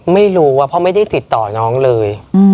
ไม่รู้ว่าเพราะไม่ได้ติดต่อน้องเลย